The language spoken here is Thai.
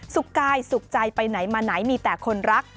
กายสุขใจไปไหนมาไหนมีแต่คนรัก